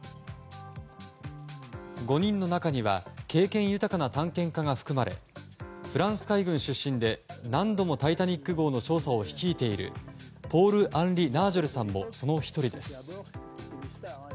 ５人の中には経験豊かな探検家が含まれフランス海軍出身で、何度も「タイタニック号」の調査を率いているポール・アンリ・ナージョレさんもその１人です。